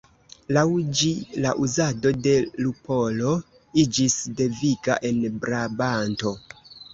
Laŭ ĝi la uzado de lupolo iĝis deviga en Brabanto.